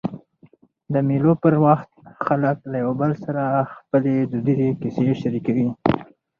د مېلو پر وخت خلک له یو بل سره خپلي دودیزي کیسې شریکوي.